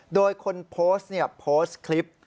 โดยคนโพสต์โพสต์คลิป